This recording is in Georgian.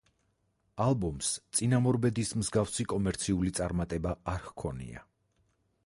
ალბომს წინამორბედის მსგავსი კომერციული წარმატება არ ჰქონია.